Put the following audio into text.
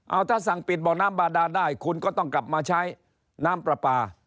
เอาถ้าสั่งปิดบ่อน้ำบาดาได้คุณก็ต้องกลับมาใช้น้ำปลาปลา